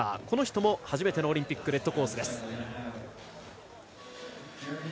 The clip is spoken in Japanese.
この人も初めてのオリンピックレッドコースです。